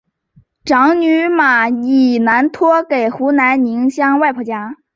长女马以南托给湖南宁乡外婆家。